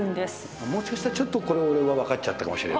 もしかしたらこれ俺は分かっちゃったかもしれない。